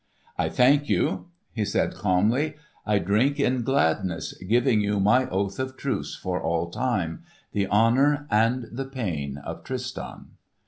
"I thank you," he said calmly. "I drink in gladness, giving you my oath of truce for all time—the honour and the pain of Tristan!"